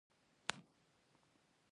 عصري علوم لکه اسلامي علوم فرض دي